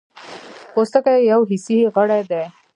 پوستکی یو حسي غړی دی.